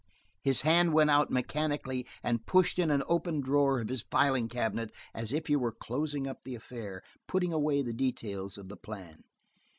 His hand went out mechanically and pushed in an open drawer of his filing cabinet as if he were closing up the affair, putting away the details of the plan.